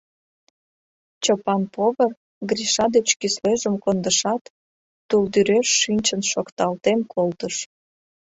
Чопан повар Гриша деч кӱслежым кондышат, тулдӱреш шинчын шокталтен колтыш.